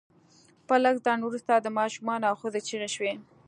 له لږ ځنډ وروسته د ماشومانو او ښځو چیغې شوې